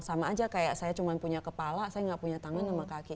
sama aja kayak saya cuma punya kepala saya nggak punya tangan sama kaki